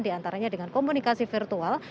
diantaranya dengan komunikasi virtual